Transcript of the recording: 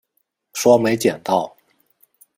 说没捡到